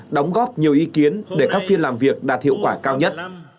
đóng góp nhiều ý kiến để các phiên làm việc đạt hiệu quả cao nhất